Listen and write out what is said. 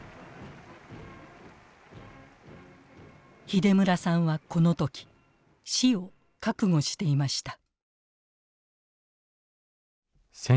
秀村さんはこの時死を覚悟していました。